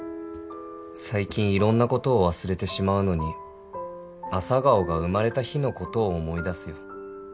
最近いろんなことを忘れてしまうのに朝顔が生まれた日のことを思い出すよ」